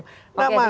oke sebentar mas isnu